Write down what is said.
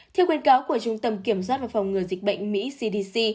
theo khuyến cáo của trung tâm kiểm soát và phòng ngừa dịch bệnh mỹ cdc